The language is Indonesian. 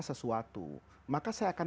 sesuatu maka saya akan